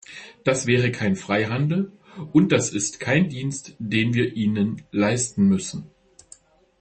Das wäre kein Freihandel und, das ist kein Dienst, den wir ihnen leisten müssen.